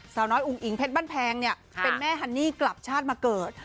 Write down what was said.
สาวน้อยอุ๋งอิ๋งเพชรบ้านแพงเนี่ยเป็นแม่ฮันนี่กลับชาติมาเกิด